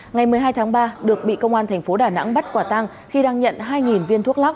ngày một mươi hai tháng ba được bị công an thành phố đà nẵng bắt quả tăng khi đang nhận hai viên thuốc lắc